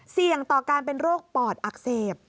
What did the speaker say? เสี่ยงต่อการเป็นโรคปอดอักเสบ